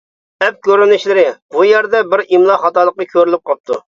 ئەپ كۆرۈنۈشلىرى: بۇ يەردە بىر ئىملا خاتالىقى كۆرۈلۈپ قاپتۇ.